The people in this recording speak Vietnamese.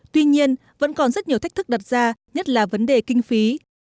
tuy nhiên vẫn còn rất nhiều thách thức đặt ra nhất là vấn đề kinh phí